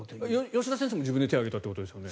吉田選手も、自分で手を挙げたってことですよね。